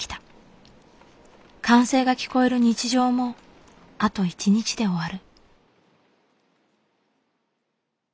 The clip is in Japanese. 歓声が聞こえる日常もあと１日で終わる。